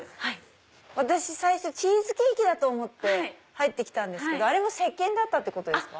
私最初チーズケーキだと思って入って来たんですけどあれもせっけんだったってことですか？